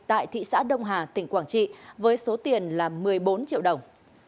tại thị xã đông hà tỉnh quảng trị với số tiền là một mươi bốn triệu đồng